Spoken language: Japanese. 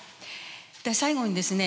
で最後にですね